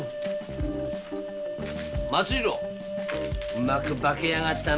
うまく化けやがったな